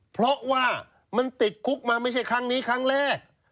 เพราะว่ามันติดคุกมาไม่ใช่ครั้งนี้ครั้งแรก